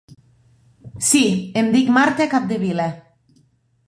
Sí, em dic Marta Capdevila.